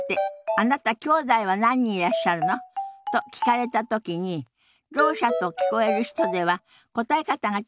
「あなたきょうだいは何人いらっしゃるの？」と聞かれた時にろう者と聞こえる人では答え方がちょっと違うようですよ。